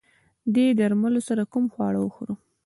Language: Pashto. دې درملو سره کوم خواړه وخورم؟